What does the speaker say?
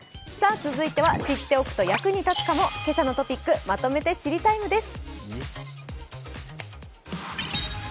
続いては知っておくと役に立つかも「けさのトピックまとめて知りＴＩＭＥ，」です。